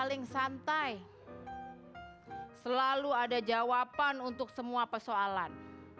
saling santai selalu ada jawaban untuk semua persoalan